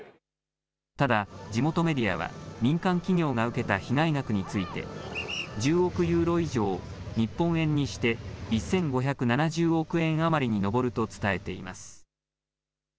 ただ地元メディアは民間企業が受けた被害額について１０億ユーロ以上、日本円にして１５７０億円余りに上ると伝えています。